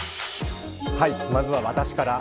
まずは私から。